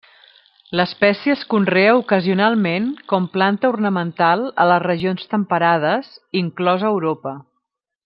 L'espècie es conrea ocasionalment com planta ornamental a les regions temperades, inclosa Europa.